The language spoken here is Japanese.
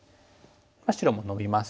白もノビます。